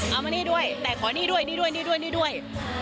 เอามานี่ด้วยแต่ขอนี่ด้วยนี่ด้วย